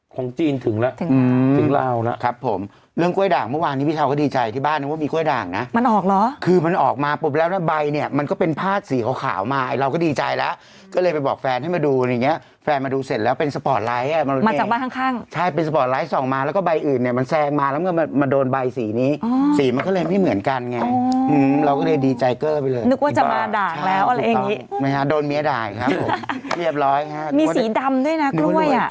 คงจีนถึงแล้วถึงถึงถึงถึงถึงถึงถึงถึงถึงถึงถึงถึงถึงถึงถึงถึงถึงถึงถึงถึงถึงถึงถึงถึงถึงถึงถึงถึงถึงถึงถึงถึงถึงถึงถึงถึงถึงถึงถึงถึงถึงถึงถึงถึงถึงถึงถึงถึงถึงถึงถึงถึงถ